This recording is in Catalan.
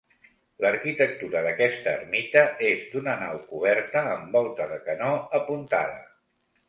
L'arquitectura d'aquesta ermita és d'una nau coberta amb volta de canó apuntada.